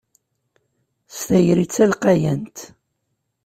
S tayri d talqayant.